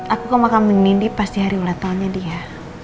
aku ke makamnya nindi pas di hari ulat tolnya dia